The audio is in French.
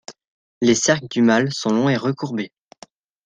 Les cerques du mâle sont longs et recourbés.